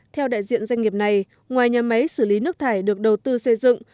theo đại diện doanh nghiệp này ngoài nhà máy xử lý nước thải được đầu tư xây dựng